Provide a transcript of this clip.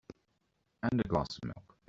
And a glass of milk.